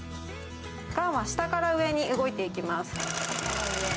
ガンは下から上に動いていきます。